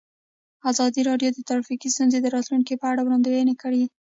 ازادي راډیو د ټرافیکي ستونزې د راتلونکې په اړه وړاندوینې کړې.